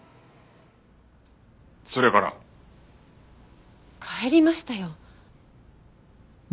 それから？帰りましたよ。